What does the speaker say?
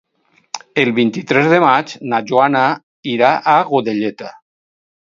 El vint-i-tres de maig na Joana irà a Godelleta.